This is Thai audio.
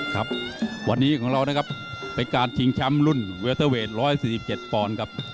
ครับวันนี้ของเรานะครับเป็นการชิงแชมป์รุ่นเวลเตอร์เวท๑๔๗ปอนด์ครับ